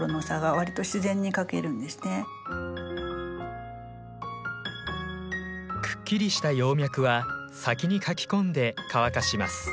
くっきりした葉脈は先に描き込んで乾かします。